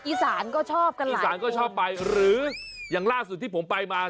อีสานก็ชอบกันเลยอีสานก็ชอบไปหรืออย่างล่าสุดที่ผมไปมา